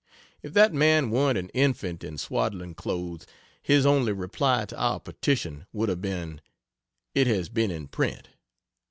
If that man weren't an infant in swaddling clothes, his only reply to our petition would have been, "It has been in print."